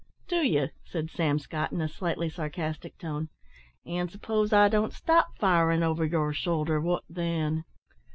"Do you?" said Sam Scott, in a slightly sarcastic tone, "an' suppose I don't stop firin' over your shoulder, what then?"